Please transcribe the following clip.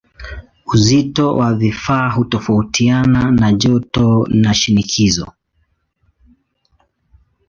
Uzito wa vifaa hutofautiana na joto na shinikizo.